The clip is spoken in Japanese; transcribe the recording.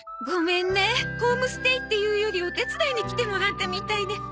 ごめんねホームステイっていうよりお手伝いに来てもらったみたいで。